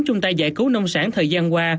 chung tay giải cứu nông sản thời gian qua